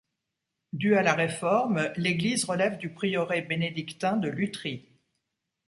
Du à la Réforme, l'église relève du prieuré bénédictin de Lutry.